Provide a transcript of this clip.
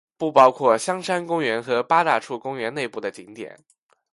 不包括香山公园和八大处公园内部的景点。